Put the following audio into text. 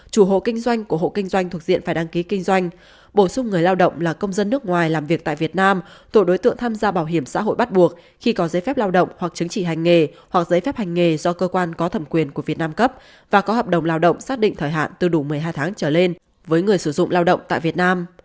một chủ hộ kinh doanh của hộ kinh doanh thuộc diện phải đăng ký kinh doanh bổ sung người lao động là công dân nước ngoài làm việc tại việt nam tổ đối tượng tham gia bảo hiểm xã hội bắt buộc khi có giấy phép lao động hoặc chứng chỉ hành nghề hoặc giấy phép hành nghề do cơ quan có thẩm quyền của việt nam cấp và có hợp đồng lao động xác định thời hạn từ đủ một mươi hai tháng trở lên với người sử dụng lao động tại việt nam